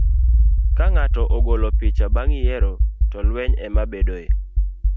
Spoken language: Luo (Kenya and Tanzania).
Ka ng'ato ogolo picha bang ' yiero, to lweny ema bedoe.